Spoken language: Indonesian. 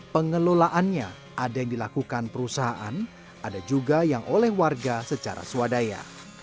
pengelolaannya ada yang dilakukan perusahaan ada juga yang oleh warga secara swadaya